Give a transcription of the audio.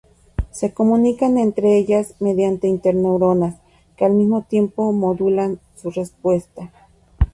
Se comunican entre ellas mediante interneuronas, que al mismo tiempo modulan su respuesta.